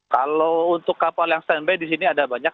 kalau untuk kapal yang standby di sini ada banyak